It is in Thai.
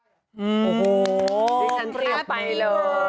โอ้โหที่ฉันเคลียบไปเลย